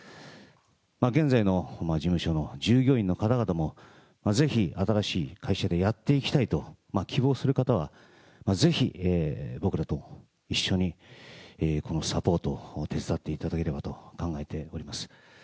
現在の事務所の従業員の方々も、ぜひ新しい会社でやっていきたいと希望する方は、ぜひ僕らと一緒にこのサポート、手伝っていただければと考えております。